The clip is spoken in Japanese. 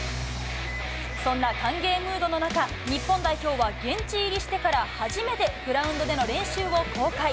そんな歓迎ムードの中、日本代表は現地入りしてから初めて、グラウンドでの練習を公開。